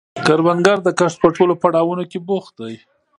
کروندګر د کښت په ټولو پړاوونو کې بوخت دی